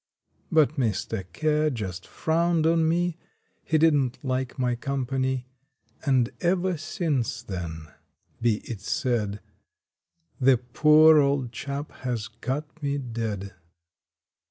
But Mr. Care just frowned on me. He didn t like my company, And ever since then, be it said, The poor old chap has cut me dead.